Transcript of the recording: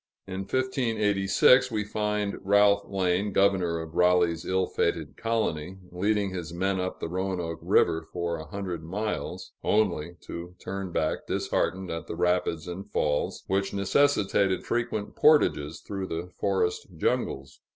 In 1586, we find Ralph Lane, governor of Raleigh's ill fated colony, leading his men up the Roanoke River for a hundred miles, only to turn back disheartened at the rapids and falls, which necessitated frequent portages through the forest jungles.